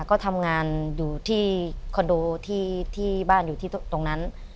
ก็ทำงานอยู่ที่คอนโดที่บ้านอยู่ที่ตรงนั้น